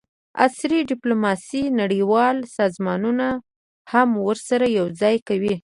عصري ډیپلوماسي نړیوال سازمانونه هم ورسره یوځای کوي